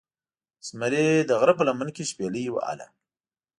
زمرې دغره په لمن کې شپیلۍ وهله